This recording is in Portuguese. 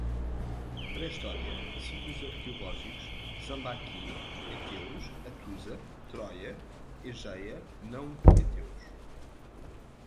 pré-história, sítios arqueológicos, sambaqui, heteus, Hatusa, Troia, egeia, não-heteus